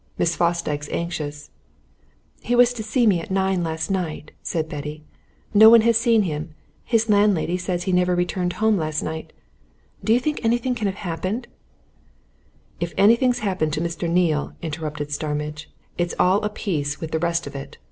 Miss Fosdyke's anxious " "He was to see me at nine last night," said Betty. "No one has seen him. His landlady says he never returned home last night. Do you think anything can have happened " "If anything's happened to Mr. Neale," interrupted Starmidge, "it's all of a piece with the rest of it.